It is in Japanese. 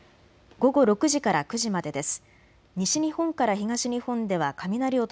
午後９時から午前０時までです。